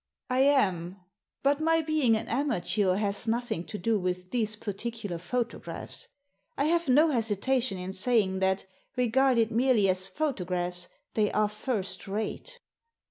'' I am. But my being an amateur has nothing to do with these particular photographs. I have no hesitation in saying that, regarded merely as photo graphs, they are first rate."